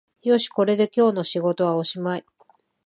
よし、これで今日の仕事はおしまい